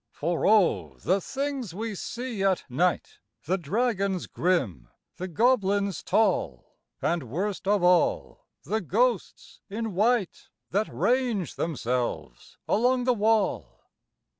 For O! the things we see at night The dragons grim, the goblins tall, And, worst of all, the ghosts in white That range themselves along the wall!